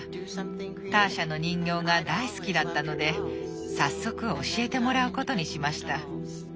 ターシャの人形が大好きだったので早速教えてもらうことにしました。